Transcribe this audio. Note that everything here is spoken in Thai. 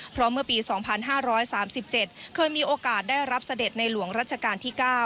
เพราะเมื่อปี๒๕๓๗เคยมีโอกาสได้รับเสด็จในหลวงรัชกาลที่๙